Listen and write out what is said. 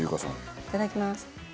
いただきます。